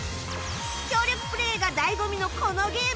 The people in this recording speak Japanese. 協力プレーが醍醐味のこのゲーム